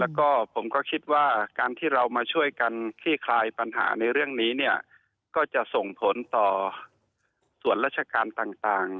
แล้วก็ผมก็คิดว่าการที่เรามาช่วยกันขี้คลายปัญหาในเรื่องนี้เนี่ยก็จะส่งผลต่อส่วนราชการต่าง